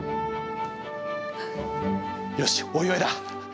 よし、お祝いだ。